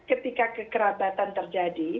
ketika kekerabatan terjadi